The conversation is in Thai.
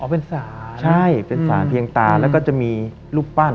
เป็นศาลใช่เป็นสารเพียงตาแล้วก็จะมีรูปปั้น